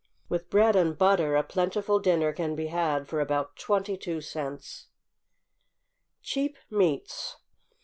With bread and butter a plentiful dinner can be had for about twenty two cents. =Cheap Meats.